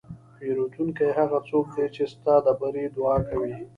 پیرودونکی هغه څوک دی چې ستا د بری دعا کوي.